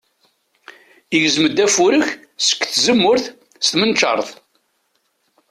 Igzem-d afurek seg tzemmurt s tmenčart.